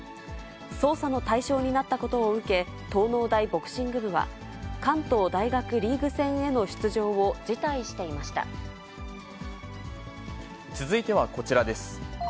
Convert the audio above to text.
捜査の対象になったことを受け、東農大ボクシング部は、関東大学リーグ戦への出場を辞退していま続いてはこちらです。